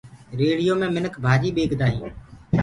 ريڙهيو مي منک ڀآڃيٚ ٻيڪدآ هينٚ